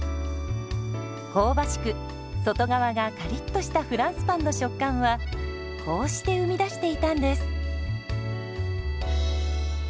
香ばしく外側がカリッとしたフランスパンの食感はこうして生み出していたんです。